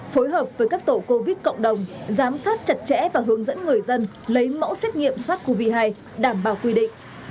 phối hợp với các tổ covid cộng đồng giám sát chặt chẽ và hướng dẫn người dân lấy mẫu xét nghiệm sars cov hai đảm bảo quy định